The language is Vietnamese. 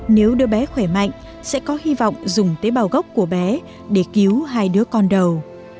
nếu đứa bé khỏe mạnh sẽ có hy vọng dùng tế bào gốc của bé để cứu hai đứa con đầu